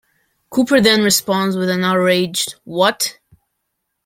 Cooper then responds with an outraged What?